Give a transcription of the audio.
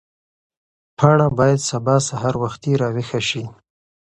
پاڼه باید سبا سهار وختي راویښه شي.